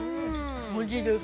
おいしいです。